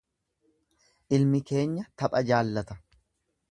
Ilmi keenya tapha jaallata.